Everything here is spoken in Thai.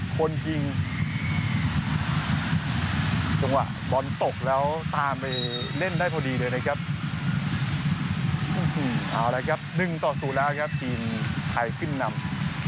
กว่าบอลตกแล้วตามไปเล่นได้พอดีหน่อยนะครับเอาล่ะครับหนึ่งต่อศูนย์แล้วนะครับถีนถ่ายขึ้นนำ